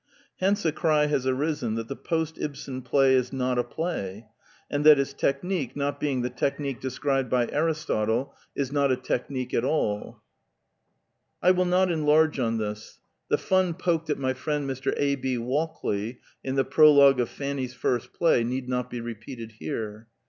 Hence a cry has arisen that the post Ibsen play is not a play, and that its technique, not being the technique described by Aristotle, is not a tech The Technical Novelty 233 4 nique at all. I will not enlarge on this : the fun poked at my friend Mr. A. B. Walkley in the prologue of Fanny's First Play need not be re peated here.